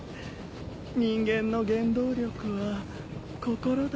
人間の原動力は心だ。